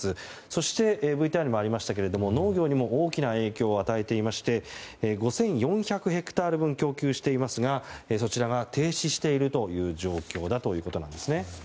そしてＶＴＲにもありましたが農業にも大きな影響を与えていまして５４００ヘクタール分供給していますがそちらが停止しているという状況です。